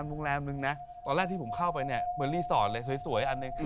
ตอนแรกที่ผมเข้าไปเนี่ยเหมือนรีสอร์ทเลยเสวยอันนึง